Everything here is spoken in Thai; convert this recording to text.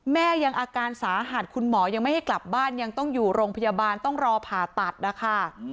แม่ยังอาการสาหัสคุณหมอยังไม่ให้กลับบ้านยังต้องอยู่โรงพยาบาลต้องรอผ่าตัดนะคะ